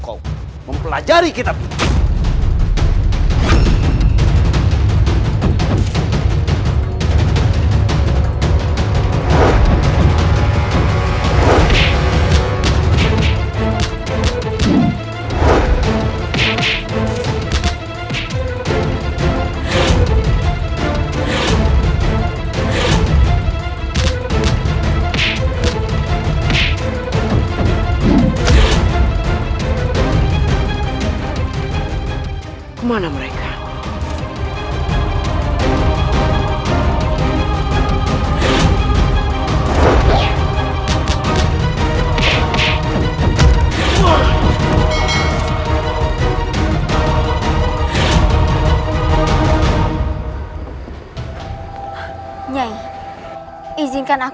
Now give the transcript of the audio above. kamu juga harus mencari lantai